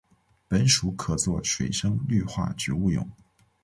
本属可做水生绿化植物用。